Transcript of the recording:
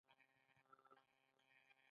سپي د ماشوم سره نڅېږي.